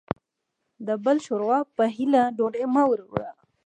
د بل د ښور وا په هيله ډوډۍ مه وړوه.